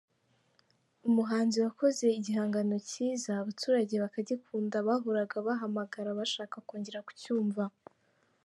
Umuhanzi wakoze igihangano cyiza, abaturage bakagikunda bahoraga bahamagara bashaka kongera kucyumva.